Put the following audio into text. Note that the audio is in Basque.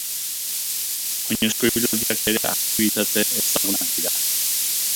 Oinezko ibilaldiak ere aktibitate ezagunak dira.